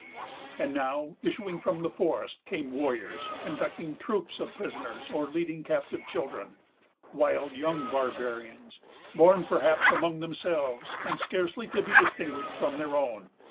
And now, issuing from the forest, came warriors, conducting troops of prisoners, or leading captive children,——wild young barbarians, born perhaps among themselves, and scarcely to be distinguished from their own.